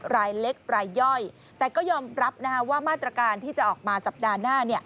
รายเล็กรายย่อยแต่ก็ยอมรับว่ามาตรการที่จะออกมาสัปดาห์หน้า